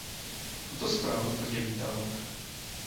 Tuto zprávu plně vítám.